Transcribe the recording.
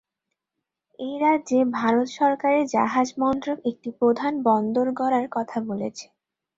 এই রাজ্যে ভারত সরকারের জাহাজ মন্ত্রক একটি প্রধান বন্দর গড়ার কথা বলেছে।